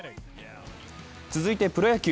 続いてプロ野球。